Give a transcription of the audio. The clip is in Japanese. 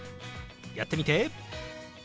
やってみて。